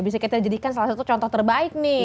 bisa kita jadikan salah satu contoh terbaik nih